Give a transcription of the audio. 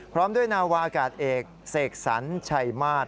พร้อมด้วยนาวาอากาศเอกเสกสรรชัยมาศ